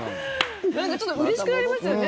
なんかちょっとうれしくなりますよね。